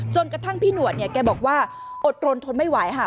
จนกระทั่งพี่หนวดเนี่ยแกบอกว่าอดรนทนไม่ไหวค่ะ